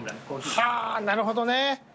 はぁーなるほどね。